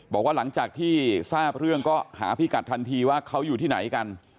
บอกว่าหลังจากที่ทราบเรื่องก็หาพิกัดทันทีว่าเขาอยู่ที่ไหนกัน